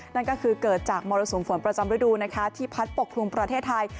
นั่นก็คือเกิดจากมรสุมฝนประจำฤดูนะคะที่พัดปกครุมประเทศไทย